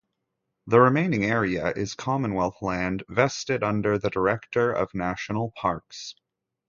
The remaining area is Commonwealth land vested under the Director of National Parks.